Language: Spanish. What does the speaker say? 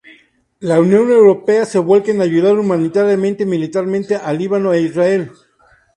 La Unión Europea se vuelca en ayudar humanitaria y militarmente a Líbano e Israel.